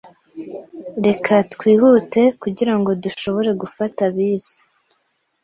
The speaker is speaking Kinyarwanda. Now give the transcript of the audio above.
Reka twihute kugirango dushobore gufata bisi.